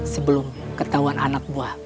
sebelum ketahuan anak buah